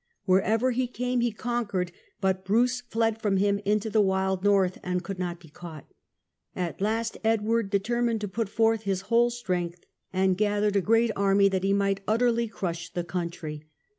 Wherever he came he conquered, but Bruce fled from him into the wild north and could not be caught. At last Edward determined to put forth his whole strength, and gathered a great army that he might utterly crush the country.